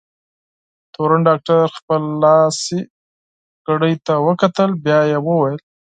تورن ډاکټر خپل لاسي ساعت ته وکتل، بیا یې وویل: